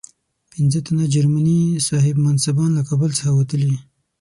پنځه تنه جرمني صاحب منصبان له کابل څخه وتلي.